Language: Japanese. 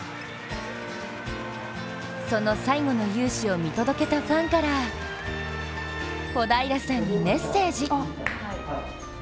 その最後の勇姿を見届けたファンから小平さんにメッセージ。